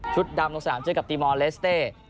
ชุดดำทุกสนามเจอะกับตีมอลเลสเต้